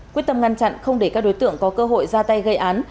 quyết tâm ngăn chặn không để các đối tượng có cơ hội ra tay gây án